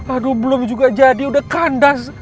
aduh belum juga jadi udah kandas